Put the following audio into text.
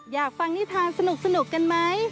อยากฟังนิทานสนุกกันไหม